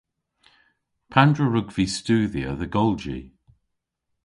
Pandr'a wrug vy studhya dhe golji?